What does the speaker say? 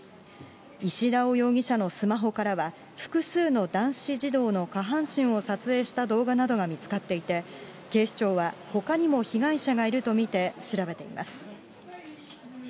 石田尾容疑者のスマホからは、複数の男子児童の下半身を撮影した動画などが見つかっていて、警視庁は、ほかにも被害者がいると見て調べています。